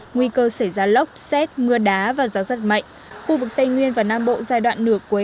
nguy cơ xảy ra lốc xét mưa đá và gió rất mạnh khu vực tây nguyên và nam bộ giai đoạn nửa cuối